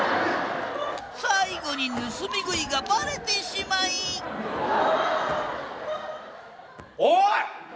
最後に盗み食いがバレてしまいおい！